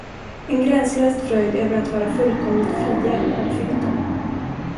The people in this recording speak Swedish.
En gränslös fröjd över att vara fullkomligt fria hade fyllt dem.